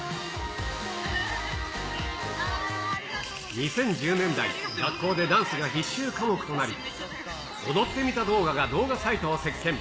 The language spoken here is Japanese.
２０１０年代、学校でダンスが必修科目となり、踊ってみた動画が動画サイトを席けん。